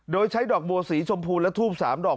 โดยใช้ดอกบัวสีชมพูและทูบ๓ดอก